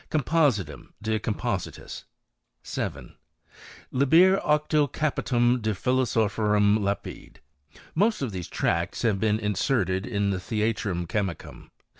Compositum de Compositis. 7 Liber octo Capitum de Philosophorum Lapide*. . Most of these tracts have been inserted in ^ Theatrum Chemicum.